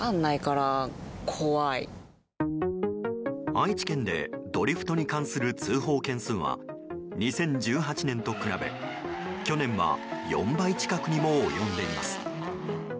愛知県でドリフトに関する通報件数は２０１８年と比べ去年は４倍近くにも及んでいます。